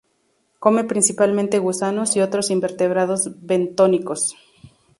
Come principalmente gusanos y otros invertebrados bentónicos.